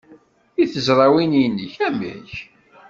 I tezrawin-nnek, amek?